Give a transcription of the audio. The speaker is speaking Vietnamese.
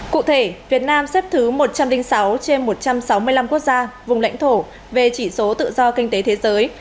cụ thể việt nam xếp thứ một trăm linh sáu trên một trăm sáu mươi năm quốc gia vùng lãnh thổ về chỉ số tự do kinh tế thế giới